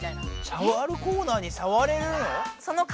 さわるコーナーにさわれるの？